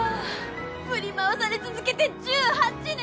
振り回され続けて１８年！